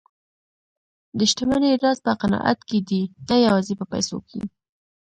د شتمنۍ راز په قناعت کې دی، نه یوازې په پیسو کې.